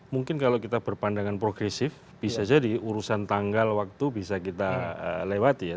mungkin kalau kita berpandangan progresif bisa jadi urusan tanggal waktu bisa kita lewati ya